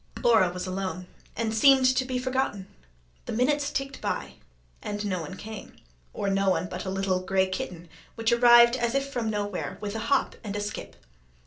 Laura was alone, and seemed to be forgotten The minutes ticked by, and no one came or no one but a little grey kitten, which arrived as if from nowhere, with a hop and a skip.